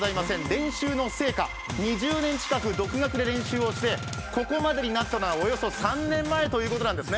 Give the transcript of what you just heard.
練習の成果、２０年近く独学で練習をしてここまでになったのはおよそ３年前ということです。